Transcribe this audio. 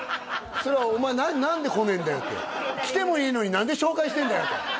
そりゃお前何で来ねえんだよって来てもねえのに何で紹介してんだよ